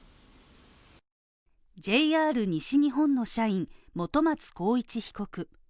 ＪＲ西日本の社員本松宏一被告。